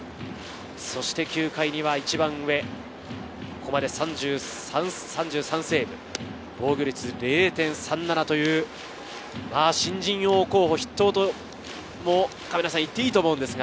そして９回には一番上、ここまで３３セーブ、防御率０．３７という新人王候補筆頭と言っていいと思うんですが。